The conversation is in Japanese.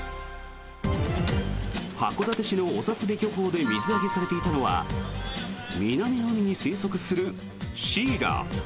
函館市の尾札部漁港で水揚げされていたのは南の海に生息するシイラ。